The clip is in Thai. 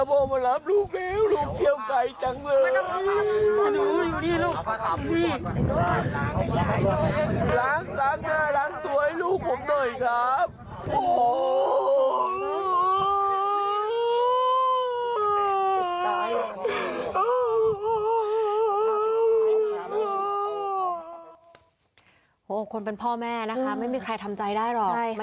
โอ้โหคนเป็นพ่อแม่นะคะไม่มีใครทำใจได้หรอก